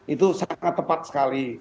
itu sangat tepat sekali